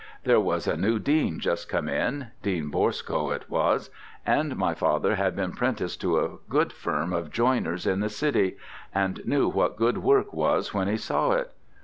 There was a new dean just come in Dean Burscough it was and my father had been 'prenticed to a good firm of joiners in the city, and knew what good work was when he saw it.